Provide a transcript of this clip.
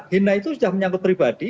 hina itu sudah menyangkut pribadi